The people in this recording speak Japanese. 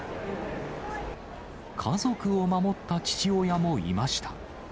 家族を守った父親もいました。